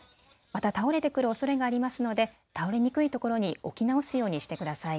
また倒れてくるおそれがありますので倒れにくいところに置き直すようにしてください。